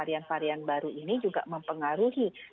ini juga mempengaruhi